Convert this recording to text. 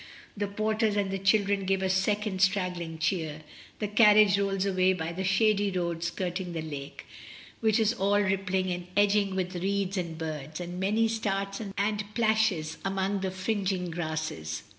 The porters and the children give a second straggling cheer, the carriage rolls away by the shady road skirting the lake, which is all rippling and edged with reeds and birds, and many starts and plashes among the fring ing grasses.